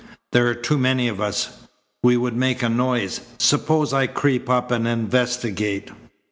"There are too many of us. We would make a noise. Suppose I creep up and investigate."